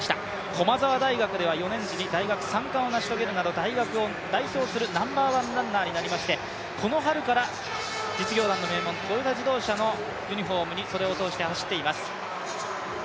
駒澤大学では４年時に、大学３冠をなし遂げるなど大学を代表するナンバーワンランナーになりまして、この春から実業団の名門トヨタ自動車に袖を通して走っています。